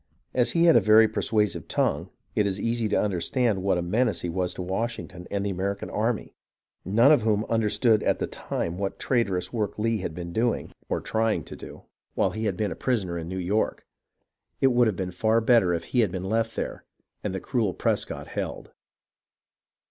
As he had a very persuasive tongue, it is easy to understand what a menace he was to Washington and the American army, none of whom understood at the time what traitorous work Lee had been doing, or trying MONMOUTH AND NEWPORT 233 to do, while he had been a prisoner in New York. It would have been far better if he had been left there and the cruel Prescott held.